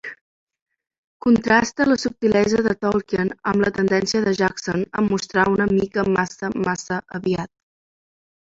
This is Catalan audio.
Contrasta la subtilesa de Tolkien amb la tendència de Jackson a mostrar "una mica massa, massa aviat".